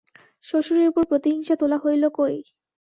শ্বশুরের উপর প্রতিহিংসা তোলা হইল কৈ?